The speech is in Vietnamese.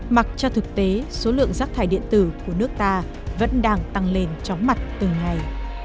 mặc cho thực tế số lượng rác thải điện tử của nước ta vẫn đang tăng lên tróng mặt từng ngày